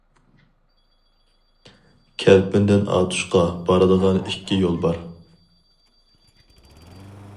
كەلپىندىن ئاتۇشقا بارىدىغان ئىككى يول بار.